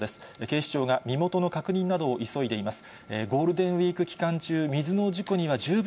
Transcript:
警視庁が身元の確認などを急いでいます。